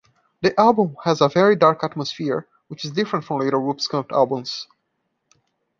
The album has a very dark atmosphere, which is different from later Wumpscut albums.